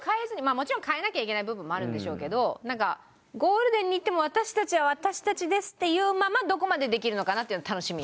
もちろん変えなきゃいけない部分もあるんでしょうけどなんかゴールデンに行っても私たちは私たちですっていうままどこまでできるのかなっていうのは楽しみ。